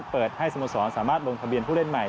เปิดให้สโมสรสามารถลงทะเบียนผู้เล่นใหม่